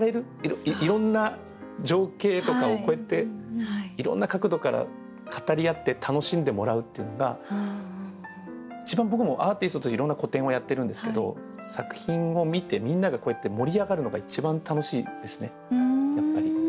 いろんな情景とかをこうやっていろんな角度から語り合って楽しんでもらうっていうのが一番僕もアーティストといろんな個展をやってるんですけど作品を見てみんながこうやって盛り上がるのが一番楽しいですねやっぱり。